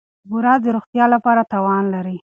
بوره د روغتیا لپاره تاوان لري.